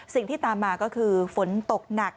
สิ่งที่ตามมาก็คือฝนตกหนัก